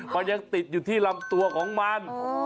มันยังติดอยู่ที่ลำตัวของมัน